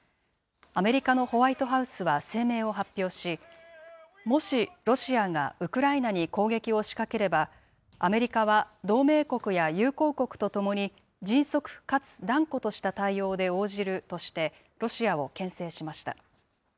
アメリカのホワイトハウスは声明を発表し、もしロシアがウクライナに攻撃を仕掛ければ、アメリカは同盟国や友好国とともに、迅速かつ断固とした対応で応じるとして、ロシアをけん制しました。